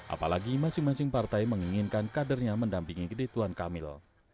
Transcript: apalagi masing masing partai menginginkan kadernya mendampingi rituan kamil